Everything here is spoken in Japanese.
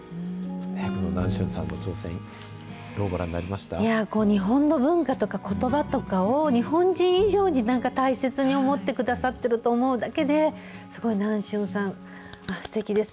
この南春さんの挑戦、日本の文化とかことばとかを、日本人以上になんか大切に思ってくださっていると思うだけで、すごい南春さん、すてきです。